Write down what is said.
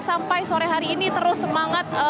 sampai sore hari ini terus semangat